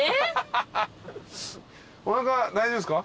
おなか大丈夫ですか？